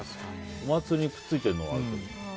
お祭りにくっついてるのはあるけど。